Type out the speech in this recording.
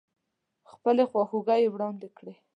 خپلې خواخوږۍ يې واړندې کړې.